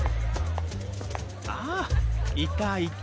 あいたいた。